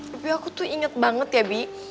tapi aku tuh inget banget ya bi